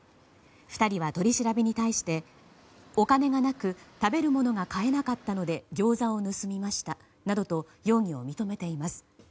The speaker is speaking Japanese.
２人は取り調べに対してお金がなく食べるものが買えなかったのでギョーザを盗みましたなどと容疑を認めています。